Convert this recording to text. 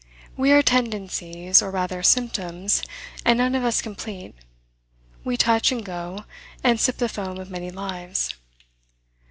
We are tendencies, or rather, symptoms, and none of us complete. We touch and go, and sip the foam of many lives.